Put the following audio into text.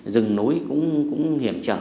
dừng nối cũng hiểm trở